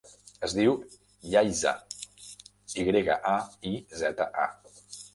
Es diu Yaiza: i grega, a, i, zeta, a.